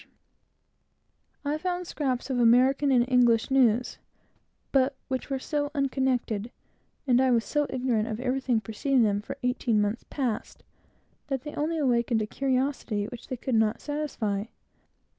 In these papers, too, I found scraps of American and English news; but which were so unconnected, and I was so ignorant of everything preceding them for eighteen months past, that they only awakened a curiosity which they could not satisfy.